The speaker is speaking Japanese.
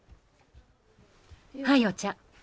はいお茶。